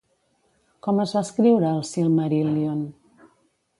Com es va escriure El Silmaríl·lion?